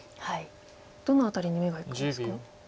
どの辺りに目がいきますか？